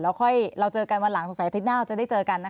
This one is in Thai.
แล้วค่อยเราเจอกันวันหลังสงสัยอาทิตย์หน้าเราจะได้เจอกันนะคะ